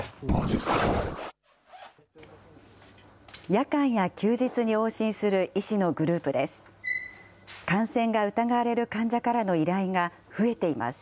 夜間や休日に往診する医師のグループです。